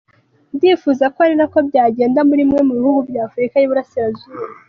Ndifuza ko ari nako byagenda muri bimwe mu bihugu by’ Afurika y’ iburasira zuba”.